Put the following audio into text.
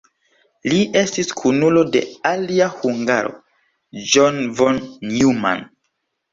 Li estis kunulo de alia hungaro John von Neumann.